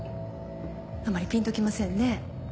あまりピンと来ませんね。